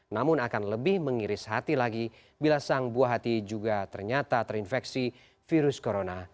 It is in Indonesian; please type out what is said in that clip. namun akan lebih mengiris hati lagi bila sang buah hati juga ternyata terinfeksi virus corona